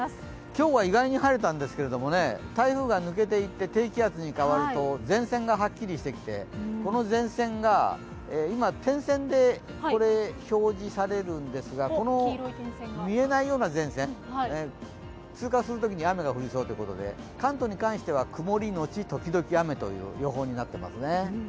今日は意外に晴れたんですけれども、台風が抜けていって、低気圧に変わると前線がはっきりしてきてこの前線が今、点線で表示されるんですが、見えないような前線、通過するときに雨が降りそうということで関東に関しては曇りのち時々雨という予報になってますね。